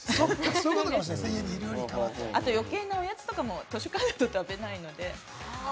あと余計なおやつとかも図書館だと食べないので。